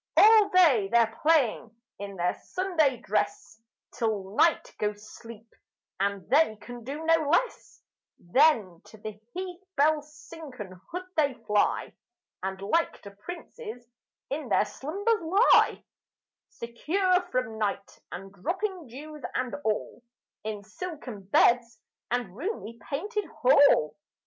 All day they're playing in their Sunday dress Till night goes sleep, and they can do no less; Then, to the heath bell's silken hood they fly, And like to princes in their slumbers lie, Secure from night, and dropping dews, and all, In silken beds and roomy painted hall.